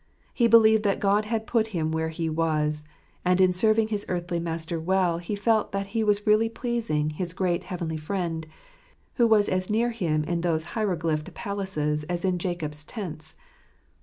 He believed that God had put him where he was; and in serving his earthly master well he felt that he was really pleasing his great heavenly Friend, who was as near him in those hieroglyphed palaces as in Jacob's tents.